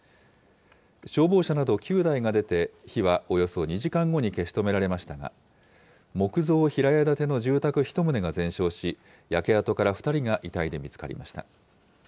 消防車など９台が出て、火はおよそ２時間後に消し止められましたが、木造平屋建ての住宅１棟が全焼し、焼け跡から２人が遺体で見つかりました。